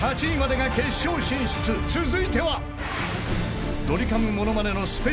［続いては］